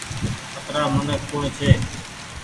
اترآ منک ڪوڻ ڇي۔